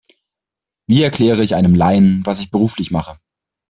Wie erkläre ich einem Laien, was ich beruflich mache?